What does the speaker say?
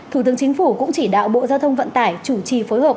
thủ tướng chính phủ cũng chỉ đạo bộ giao thông vận tải chủ trì phối hợp